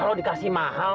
kalau dikasih mahal